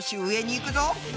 行くぞ！